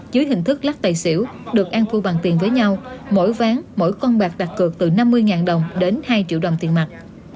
dưới hình thức lắc tài xỉu được an thu bằng tiền với nhau mỗi ván mỗi con bạc đặt cược từ năm mươi đồng đến hai triệu đồng tiền mặt